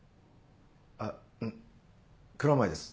あっん蔵前です。